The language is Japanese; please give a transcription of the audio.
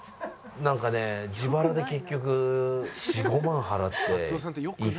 なんかね自腹で結局４５万払って行って確か。